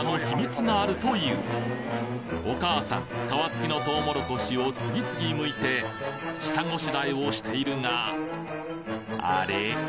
お母さん皮付きのとうもろこしを次々むいて下ごしらえをしているがあれ？